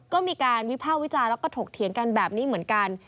ก็มีการวิภาควิจารณ์แล้วก็ถกเถียงกันแบบนี้เหมือนกัน